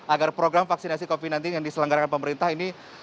agar program vaksinasi covid sembilan belas yang diselenggarakan pemerintah ini